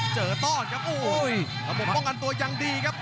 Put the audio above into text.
ต้อนครับโอ้โหระบบป้องกันตัวยังดีครับ